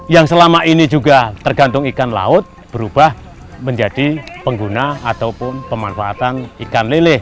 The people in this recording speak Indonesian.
yang selama ini juga tergantung ikan laut berubah menjadi pengguna ataupun pemanfaatan ikan leleh